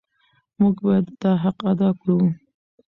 موږ باید دا حق ادا کړو.